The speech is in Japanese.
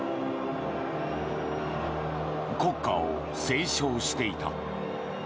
国歌を斉唱していた。